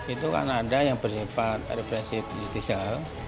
itu kan ada yang bersepat represif justicial